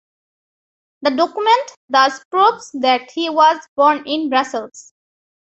The document thus proves that he was born in Brussels.